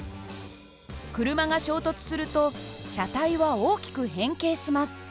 車が衝突すると車体は大きく変形します。